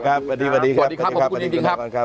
เจ้าพูดวันหน้ากล่างครับ